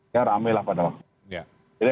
ya rame lah pada waktu itu